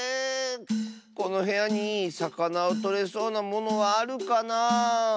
このへやにさかなをとれそうなものはあるかなあ。